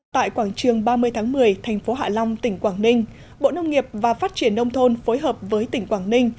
tại quảng trường ba mươi tháng một mươi thành phố hạ long tỉnh quảng ninh bộ nông nghiệp và phát triển nông thôn phối hợp với tỉnh quảng ninh